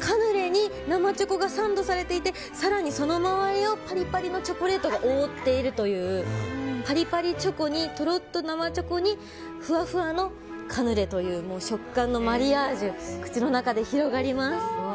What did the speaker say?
カヌレに生チョコがサンドされていて更にその周りをパリパリのチョコレートが覆っているというパリパリチョコにトロトロ生チョコにふわふわのカヌレという食感のマリアージュ口の中で広がります。